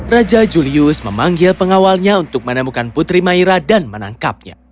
raja julius memanggil pengawalnya untuk menemukan putri maira dan menangkapnya